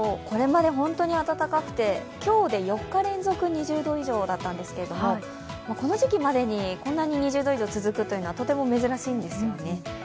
これまで本当に暖かくて今日で４日連続２０度以上だったんですけど、この時期までにこんなに２０度以上続くというのはとても珍しいんですよね。